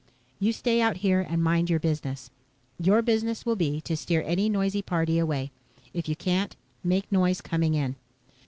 "You stay out here and mind your business. Your business will be to steer any nosey party away. If you can't, make noise coming in."